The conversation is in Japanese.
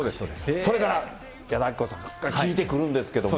それが矢田亜希子さんが効いてくるんですけれども。